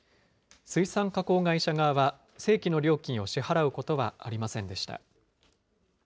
水産加工会社側は、正規の料金を支払うことはありませんでした。